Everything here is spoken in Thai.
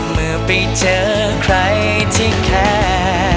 เมื่อไปเจอใครที่แท้